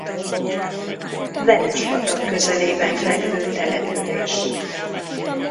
Verespatak közelében fekvő település.